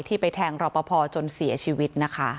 ไปแทงรอปภจนเสียชีวิตนะคะ